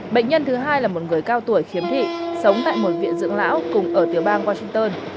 bệnh nhân thứ hai là một người cao tuổi khiếm thị sống tại một viện dưỡng lão cùng ở tiểu bang washington